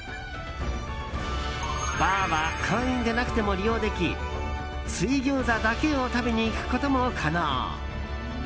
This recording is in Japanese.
バーは会員でなくても利用でき水ギョーザだけを食べに行くことも可能。